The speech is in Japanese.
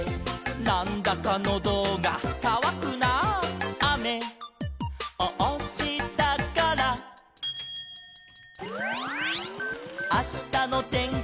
「『なんだかノドがかわくなあ』」「あめをおしたから」「あしたのてんきは」